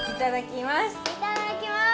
いただきます！